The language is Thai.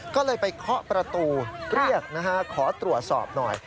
ก็เลยไปเคาะประตูเรียกนะฮะขอตรวจสอบหน่อย